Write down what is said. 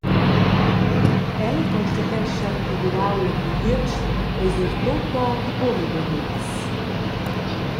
El constatescha ch’igl uaul a Tujetsch ei sur tut ora buca memia vegls.